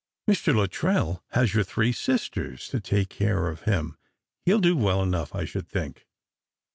Mr. Lnttrell has your three sisters to take care of him. He'll do well enough, I should think."